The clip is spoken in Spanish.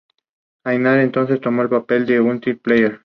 Es una canción de blues siendo esta uno de sus temas más famosos.